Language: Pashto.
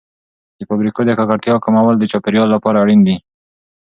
د فابریکو د ککړتیا کمول د چاپیریال لپاره اړین دي.